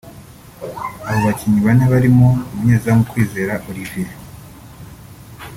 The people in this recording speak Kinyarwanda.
Abo bakinnyi bane barimo umunyezamu Kwizera Olivier